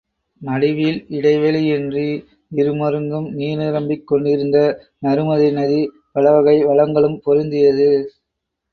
நடுவில் இடைவெளி யின்றி இருமருங்கும் நீர் நிரம்பிக் கொண்டிருந்த நருமதை நதி, பலவகை வளங்களும் பொருந்தியது.